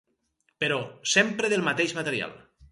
Però sempre del mateix material.